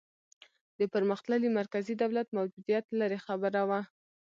د پرمختللي مرکزي دولت موجودیت لرې خبره وه.